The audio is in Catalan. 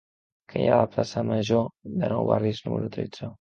Què hi ha a la plaça Major de Nou Barris número tretze?